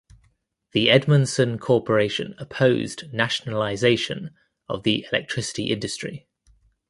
The Edmundson Corporation opposed nationalisation of the electricity industry.